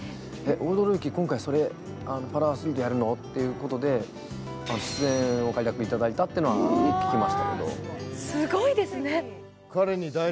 「オールドルーキー」、今回パラアスリートやるの？っていうことで出演を快諾いただいたというのは聞きましたけど。